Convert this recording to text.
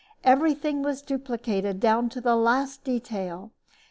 Everything was duplicated down to the last detail.